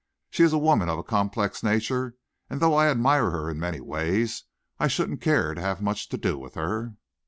She is a woman of a complex nature, and though I admire her in many ways, I shouldn't care to have much to do with her."